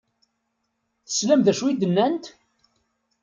Teslam d acu i d-nnant?